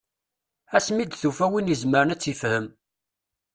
Asmi i d-tufa win i izemren ad tt-ifhem.